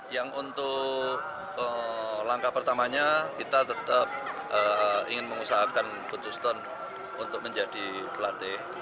yang untuk langkah pertamanya kita tetap ingin mengusahakan coach juston untuk menjadi pelatih